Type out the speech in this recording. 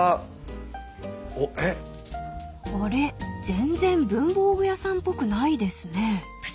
全然文房具屋さんっぽくないですね］